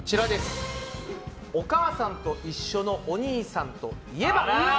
「おかあさんといっしょ」のお兄さんといえば？